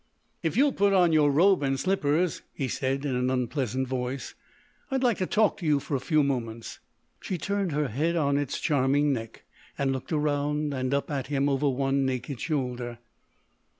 "If you'll put on your robe and slippers," he said in an unpleasant voice, "I'd like to talk to you for a few moments." She turned her head on its charming neck and looked around and up at him over one naked shoulder.